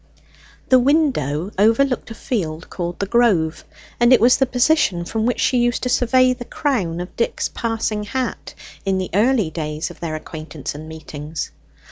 The window overlooked a field called the Grove, and it was the position from which she used to survey the crown of Dick's passing hat in the early days of their acquaintance and meetings.